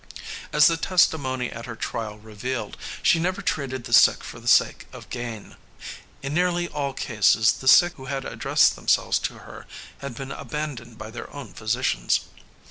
As the testimony at her trial revealed, she never treated the sick for the sake of gain. In nearly all cases the sick who had addressed themselves to her had been abandoned by their own physicians.